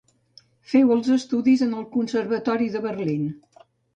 Féu els estudis en el Conservatori de Berlín.